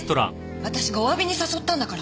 私がお詫びに誘ったんだから。